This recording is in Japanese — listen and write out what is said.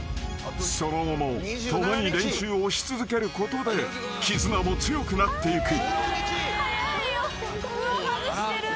［その後も共に練習をし続けることで絆も強くなっていく］